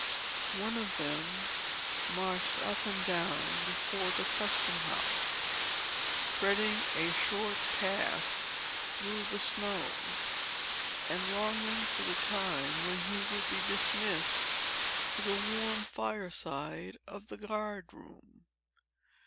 One of them marched up and down before the custom house, treading a short path through the snow, and longing for the time when he would be dismissed to the warm fire side of the guard room.